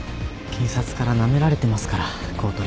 検察からなめられてますから公取は。